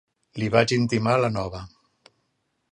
Li vaig intimar la nova.